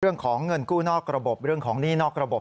เรื่องของเงินกู้นอกระบบเรื่องของหนี้นอกระบบ